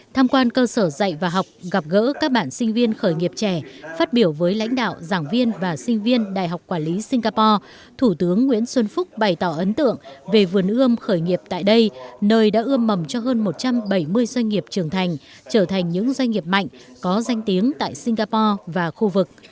tham quan cơ sở dạy và học gặp gỡ các bạn sinh viên khởi nghiệp trẻ phát biểu với lãnh đạo giảng viên và sinh viên đại học quản lý singapore thủ tướng nguyễn xuân phúc bày tỏ ấn tượng về vườn ươm khởi nghiệp tại đây nơi đã ươm mầm cho hơn một trăm bảy mươi doanh nghiệp trưởng thành trở thành những doanh nghiệp mạnh có danh tiếng tại singapore và khu vực